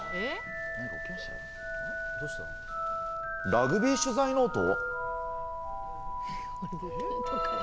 ラグビー取材ノート？